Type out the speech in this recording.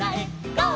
「ゴー！